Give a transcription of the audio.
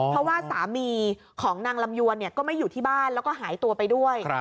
เพราะว่าสามีของนางลำยวนก็ไม่อยู่ที่บ้านแล้วก็หายตัวไปด้วย